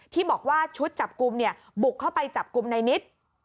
ที่บอกว่าชุดจับกลุ่มเนี่ยบุกเข้าไปจับกลุ่มในนิด